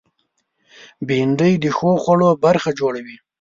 بېنډۍ د ښو خوړو برخه جوړوي